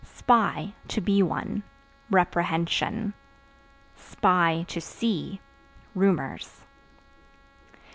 Spy (To be one) reprehension; (to see) rumors.